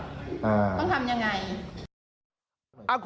ใช่ค่ะคืออะไรอ่ะต้องทำยังไง